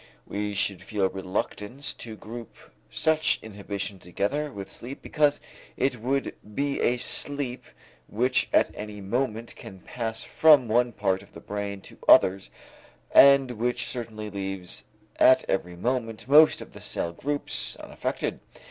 We should feel reluctance to group such inhibition together with sleep because it would be a sleep which at any moment can pass from one part of the brain to others and which certainly leaves at every moment most of the cell groups unaffected.